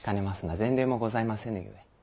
前例もございませぬゆえ。